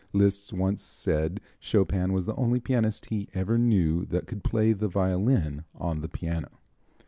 Liszt once said Chopin was the only pianist he ever knew that could play the violin on the piano.